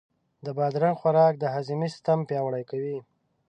د بادرنګ خوراک د هاضمې سیستم پیاوړی کوي.